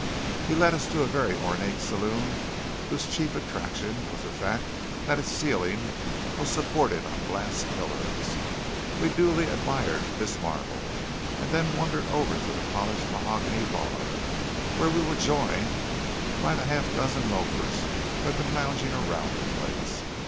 He led us to a very ornate saloon whose chief attraction was the fact that its ceiling was supported on glass pillars! We duly admired this marvel; and then wandered over to the polished mahogany bar, where we were joined by the half dozen loafers who had been lounging around the place.